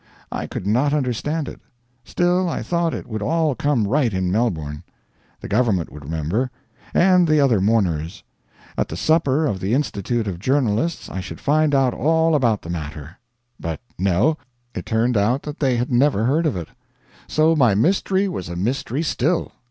I could not understand it; still, I thought it would all come right in Melbourne. The government would remember; and the other mourners. At the supper of the Institute of Journalists I should find out all about the matter. But no it turned out that they had never heard of it. So my mystery was a mystery still.